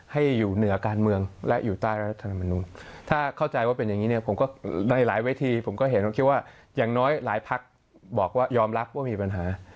ให้อยู่เหนือการเมืองและอยู่ใต้รัฐธรรมนุนถ้าเข้าใจว่าเป็นอย่างนี้เนี่ยผมก็ในหลายเวทีผมก็เห็นผมคิดว่าอย่างน้อยหลายพักบอกว่ายอมรับว่ามีปัญหา